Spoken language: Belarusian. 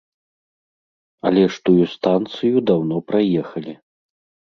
Але ж тую станцыю даўно праехалі.